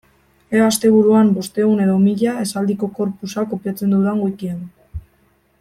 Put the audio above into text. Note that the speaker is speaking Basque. Ea asteburuan bostehun edo mila esaldiko corpusa kopiatzen dudan wikian.